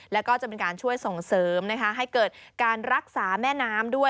แล้วก็จะเป็นการช่วยส่งเสริมนะคะให้เกิดการรักษาแม่น้ำด้วย